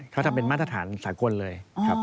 เขาทำเป็นมาตรฐานสากลเลยครับ